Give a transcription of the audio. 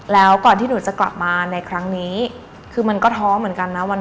แล้วก่อนที่หนูจะกลับมาในครั้งนี้คือมันก็ท้อเหมือนกันนะ